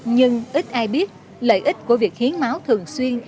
nhưng ít ai biết lợi ích của việc hiến máu thường xuyên